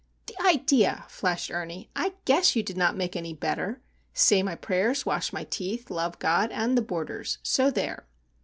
"The idea!" flashed Ernie. "I guess you did not make any better;—say my prayers, wash my teeth, love God, and the Boarders, so there!"